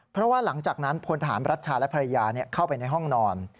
เพราะว่าหลังจากนั้นพลทหารรัชชาและภรรยาเข้าไปในห้องนอน